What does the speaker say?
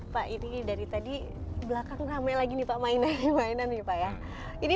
pak ini dari tadi belakang ramai lagi nih pak mainan